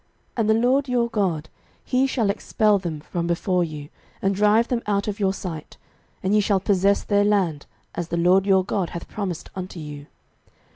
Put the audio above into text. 06:023:005 And the LORD your God, he shall expel them from before you, and drive them from out of your sight; and ye shall possess their land, as the LORD your God hath promised unto you.